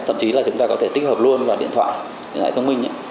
thậm chí là chúng ta có thể tích hợp luôn vào điện thoại thông minh